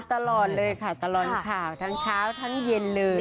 ตลอดเลยค่ะตลอดข่าวทั้งเช้าทั้งเย็นเลย